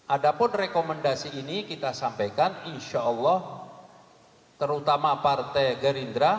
ada pun rekomendasi ini kita sampaikan insya allah terutama partai gerindra